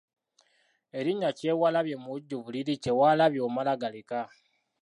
Erinnya Kyewalabye mubujjuvu liri Kye waalabye omala galeka.